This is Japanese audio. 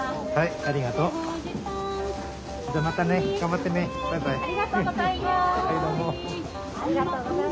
ありがとうございます。